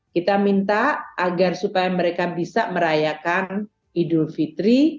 kita minta agar supaya mereka bisa merayakan idul fitri